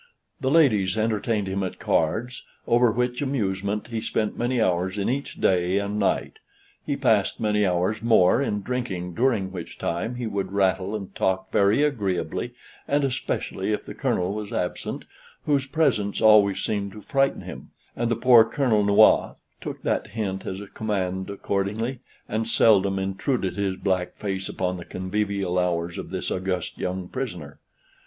The ladies entertained him at cards, over which amusement he spent many hours in each day and night. He passed many hours more in drinking, during which time he would rattle and talk very agreeably, and especially if the Colonel was absent, whose presence always seemed to frighten him; and the poor "Colonel Noir" took that hint as a command accordingly, and seldom intruded his black face upon the convivial hours of this august young prisoner.